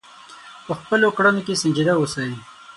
په خپلو کړنو کې سنجیده اوسئ.